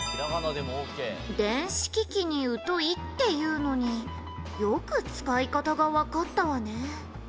「電子機器に疎いっていうのによく使い方がわかったわね」